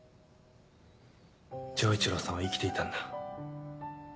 丈一郎さんは生きていたんだ。